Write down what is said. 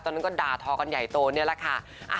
นั้นก็ด่าทอกันใหญ่โตนี่แหละค่ะ